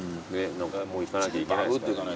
もういかなきゃいけないですから。